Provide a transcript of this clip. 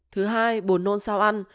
thứ hai buồn nôn sau ăn